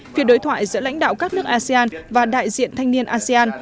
phiên đối thoại giữa lãnh đạo các nước asean và đại diện thanh niên asean